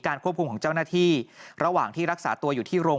ควบคุมของเจ้าหน้าที่ระหว่างที่รักษาตัวอยู่ที่โรง